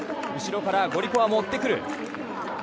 後ろからゴリコワも追ってくる。